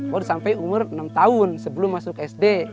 baru sampai umur enam tahun sebelum masuk sd